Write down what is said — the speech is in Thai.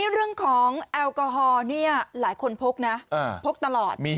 เรื่องของแอลกอฮอล์หลายคนพกนะพกตลอด